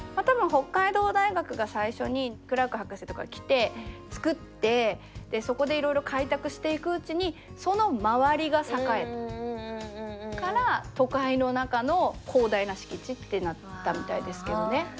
多分北海道大学が最初にクラーク博士とかが来て作ってそこでいろいろ開拓していくうちにその周りが栄えたから都会の中の広大な敷地ってなったみたいですけどね。